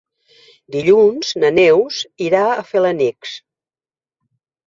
Dilluns na Neus irà a Felanitx.